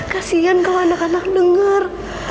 kasian kalau anak anak dengar